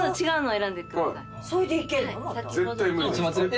それでいけんの？